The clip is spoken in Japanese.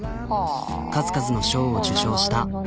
数々の賞を受賞した。